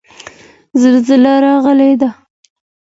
زلزله راغلې ده.